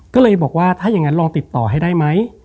ก็เลยบอกว่าถ้าอย่างนั้นลองติดต่อให้ได้ไหม